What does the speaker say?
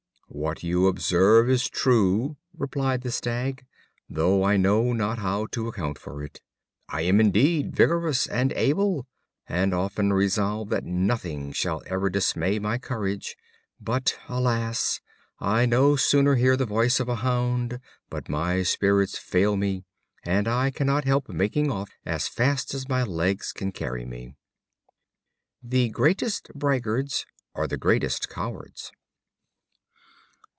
"What you observe is true," replied the Stag, "though I know not how to account for it. I am indeed vigorous and able, and often resolve that nothing shall ever dismay my courage; but, alas! I no sooner hear the voice of a hound but my spirits fail me, and I cannot help making off as fast as my legs can carry me." The greatest braggarts are the greatest cowards.